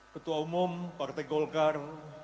ketua umum partai golkar